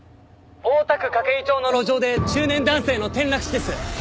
大田区筧町の路上で中年男性の転落死です。